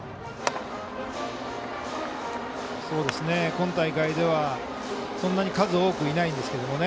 今大会ではそんなに数多くいないですけどね